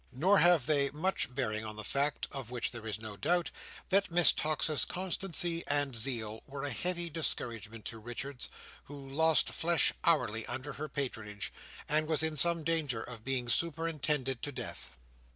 Nor have they much bearing on the fact (of which there is no doubt), that Miss Tox's constancy and zeal were a heavy discouragement to Richards, who lost flesh hourly under her patronage, and was in some danger of being superintended to death.